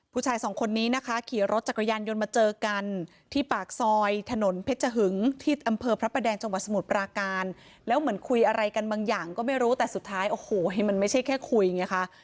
ผู้ชายสองคนนี้นะคะขี่รถจักรยานยนต์มาเจอกันที่ปากซอยถนนเพชรหึงที่อำเภอพระประแดงจังหวัดสมุทรปราการแล้วเหมือนคุยอะไรกันบางอย่างก็ไม่รู้แต่สุดท้ายโอ้โหมันไม่ใช่แค่คุยไงคะ